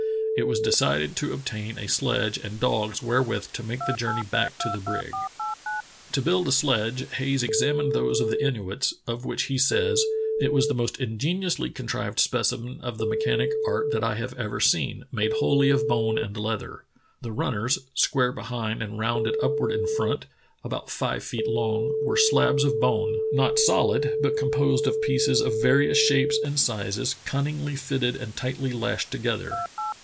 It was decided to obtain a sledge and dogs wherewith to make the journe}^ back to the brig. To build a sledge Hayes examined those of the Inuits of which he says: 'Tt was the most ingeniousl}' con trived specimen of the mechanic art that I have ever seen, made wholly of bone and leather. The runners, square behind and rounded upward in front, about five feet long, were slabs of bone; not soHd, but composed of pieces of various shapes and sizes cunningly fitted and tightly lashed together.